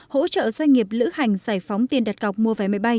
hỗ trợ doanh nghiệp lữ hành giải phóng tiền đặt cọc mua vé máy bay